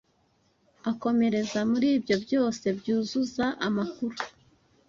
akomereza muri Ibyo byose byuzuza amakuru